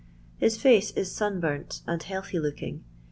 His free is sun burnt and healthy looking.